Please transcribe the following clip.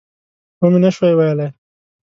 ومې نه شوای ویلای.